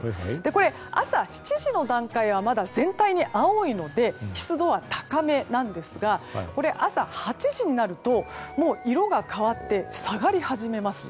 これ、朝７時の段階はまだ全体に青いので湿度は高めなんですが朝８時になるともう色が変わって下がり始めます。